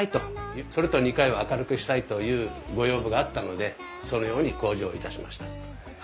それと２階は明るくしたいというご要望があったのでそのように工事をいたしました。